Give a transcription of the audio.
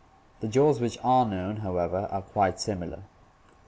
The jaws which are known, however, are quite similar.